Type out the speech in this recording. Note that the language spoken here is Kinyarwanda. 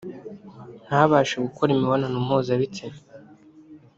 ntabashe gukora imibonano mpuzabitsina